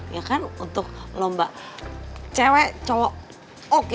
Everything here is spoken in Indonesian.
ya kan untuk lomba cewek cowok oke